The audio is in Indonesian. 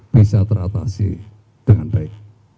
bisa teratasi dengan baik